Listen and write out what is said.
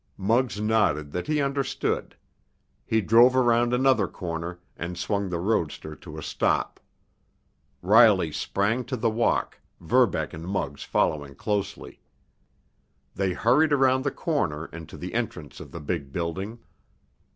Muggs nodded that he understood. He drove around another corner, and swung the roadster to a stop. Riley sprang to the walk, Verbeck and Muggs following closely. They hurried around the corner and to the entrance of the big building.